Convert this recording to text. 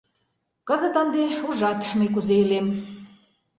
Кызыт ынде, ужат, мый кузе илем.